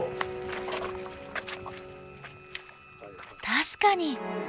確かに。